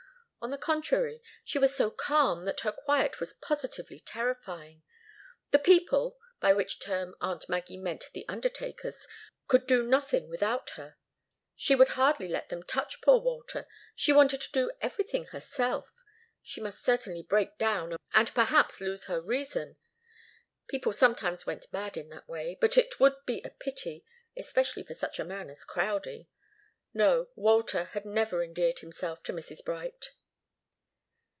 On the contrary, she was so calm that her quiet was positively terrifying. The people by which term aunt Maggie meant the undertakers could do nothing without her. She would hardly let them touch poor Walter she wanted to do everything herself. She must certainly break down, and perhaps lose her reason. People sometimes went mad in that way, but it would be a pity especially for such a man as Crowdie. No. Walter had never endeared himself to Mrs. Bright.